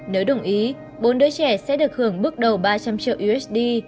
nếu đồng ý bốn đứa trẻ sẽ được hưởng bước đầu ba trăm linh triệu usd